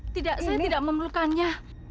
tidak saya tidak memerlukannya